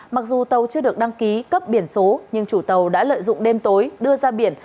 mặc dù tàu chưa được đăng ký cấp biển số nhưng chủ tàu đã lợi dụng đêm tối đưa ra biển